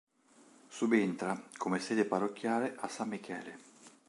Subentra, come sede parrocchiale, a San Michele.